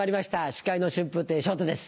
司会の春風亭昇太です